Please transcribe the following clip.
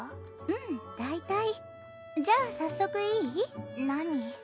うん大体じゃあ早速いい？何？